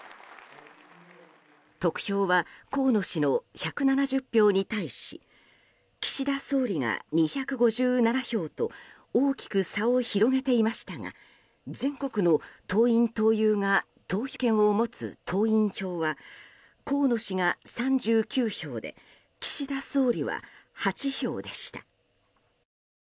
得票は河野氏の１７０票に対し岸田総理が２５７票と大きく差を広げていましたが全国の党員・党友が投票権を持つ党員票は河野氏が３９票で岸田総理は８票でした。